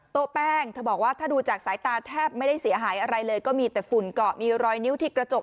แป้งเธอบอกว่าถ้าดูจากสายตาแทบไม่ได้เสียหายอะไรเลยก็มีแต่ฝุ่นเกาะมีรอยนิ้วที่กระจก